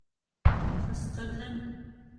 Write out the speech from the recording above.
— Ҡысҡырҙым!